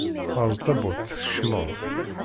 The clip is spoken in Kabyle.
Erẓ tawwurt tkecmeḍ.